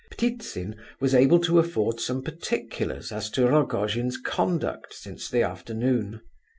Ptitsin was able to afford some particulars as to Rogojin's conduct since the afternoon.